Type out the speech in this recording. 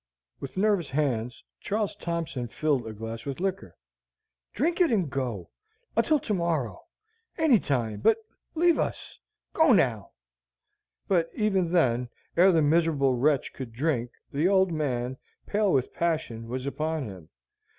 With nervous hands, Charles Thompson filled a glass with liquor. "Drink it and go until to morrow any time, but leave us! go now!" But even then, ere the miserable wretch could drink, the old man, pale with passion, was upon him.